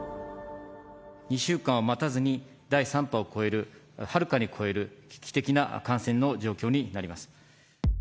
２週間を待たずに第３波を超える、はるかに超える危機的な感染の状況になります。